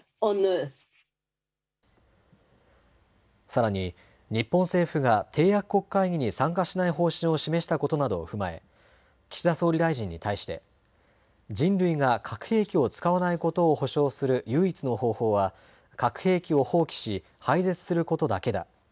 さらに日本政府が締約国会議に参加しない方針を示したことなどを踏まえ岸田総理大臣に対して、人類が核兵器を使わないことを保証する唯一の方法は核兵器を放棄し廃絶することだけだ。